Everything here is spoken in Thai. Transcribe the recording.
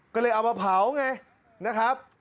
ก็เลยเอามาเผาไงนะครับ